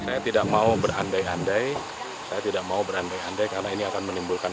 saya tidak mau berandai andai saya tidak mau berandai andai karena ini akan menimbulkan